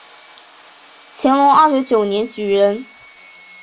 乾隆三十九年举人。